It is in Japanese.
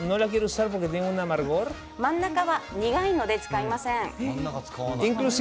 真ん中は苦いので使いません。